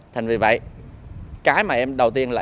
thành vì vậy cái mà em đầu tiên là